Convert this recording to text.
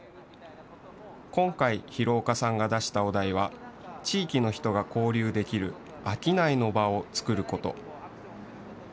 今回、廣岡さんが出したお題は地域の人が交流できる商いの場を作ること。